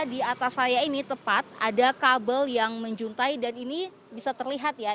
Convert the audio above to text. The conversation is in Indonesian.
di atas saya ini tepat ada kabel yang menjuntai dan ini bisa terlihat ya